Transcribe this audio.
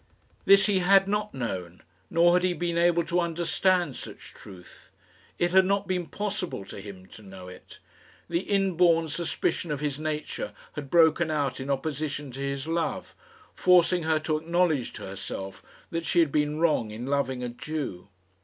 This he had not known, nor had he been able to understand such truth. It had not been possible to him to know it. The inborn suspicion of his nature had broken out in opposition to his love, forcing her to acknowledge to herself that she had been wrong in loving a Jew.